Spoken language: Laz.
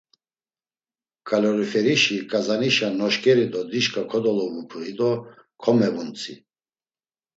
K̆aloriferişi k̆azanişa noşkeri do dişka kodolovubği do komevuntzi.